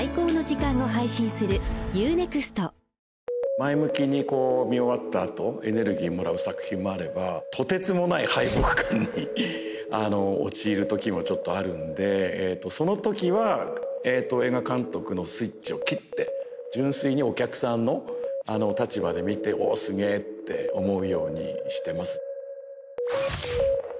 前向きに見終わった後エネルギーもらう作品もあればとてつもない敗北感に陥るときもちょっとあるんでえーとそのときは映画監督のスイッチを切って純粋にお客さんの立場で見ておぉすげぇって思うようにしてます